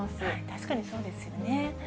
確かにそうですよね。